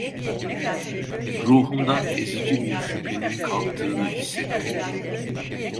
Ruhumdan ezici bir şüphenin kalktığını hissettim.